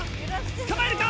捕まえるか？